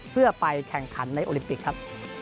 เพื่อไปแข่งขันในโอลิมปิกครับ